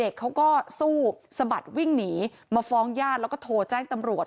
เขาก็สู้สะบัดวิ่งหนีมาฟ้องญาติแล้วก็โทรแจ้งตำรวจ